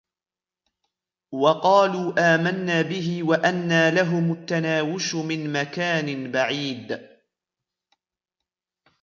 وقالوا آمنا به وأنى لهم التناوش من مكان بعيد